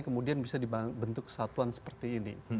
kemudian bisa dibentuk kesatuan seperti ini